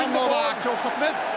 今日２つ目。